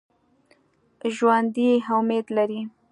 ژوندي امید لري